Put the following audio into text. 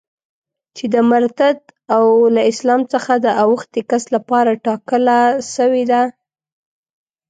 چي د مرتد او له اسلام څخه د اوښتي کس لپاره ټاکله سوې ده.